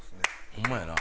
ホンマやな。